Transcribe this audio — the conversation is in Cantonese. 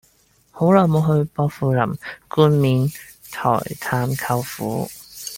好耐無去薄扶林冠冕台探舅父